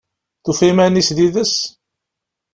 Tufa iman-is yid-s?